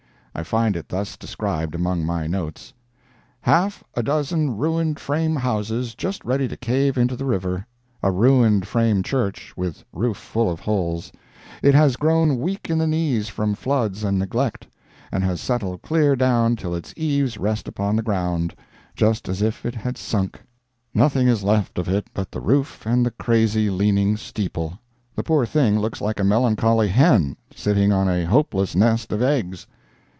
I find it thus described among my notes: "Half a dozen ruined frame houses just ready to cave into the river; a ruined frame church, with roof full of holes; it has grown weak in the knees from floods and neglect, and has settled clear down till its eaves rest upon the ground, just as if it had sunk—nothing is left of it but the roof and the crazy, leaning steeple; the poor thing looks like a melancholy hen sitting on a hopeless nest of eggs.